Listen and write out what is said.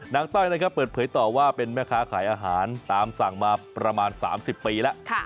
ต้อยนะครับเปิดเผยต่อว่าเป็นแม่ค้าขายอาหารตามสั่งมาประมาณ๓๐ปีแล้ว